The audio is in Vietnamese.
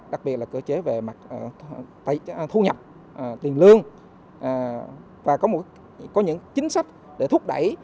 đặc biệt là cơ chế về mặt thu nhập tiền lương và có những chính sách để thúc đẩy